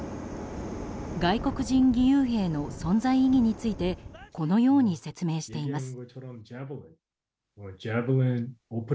外国人義勇兵の存在意義についてこのように説明しています。